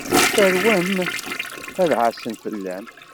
Tarwa-m ad ɛassen fell-am.